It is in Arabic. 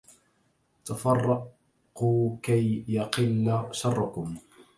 تفرقوا كي يقل شركم